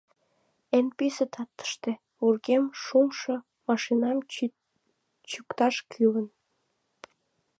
— Эн пӱсӧ татыште вургем мушмо машинам чӱкташ кӱлын!